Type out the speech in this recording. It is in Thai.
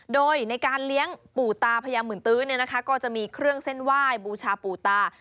โดยในการเลี้ยงปู่ตาพญาหมื่นตื้อก็จะมีเครื่องเส้นไหว้บูชาปู่ตา